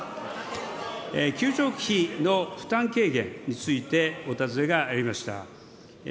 給食費の負担軽減についてお尋ねがありました。